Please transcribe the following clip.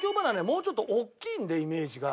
もうちょっと大きいんでイメージが。